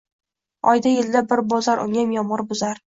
Oyda, yilda bir bozor, uniyam yomg‘ir buzar